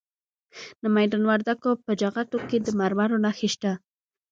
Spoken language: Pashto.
د میدان وردګو په جغتو کې د مرمرو نښې شته.